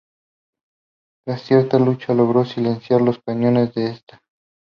Tras cierta lucha, logró silenciar los cañones de esta.